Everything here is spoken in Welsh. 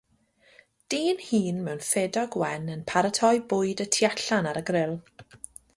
Dyn hŷn mewn ffedog wen yn paratoi bwyd y tu allan ar y gril.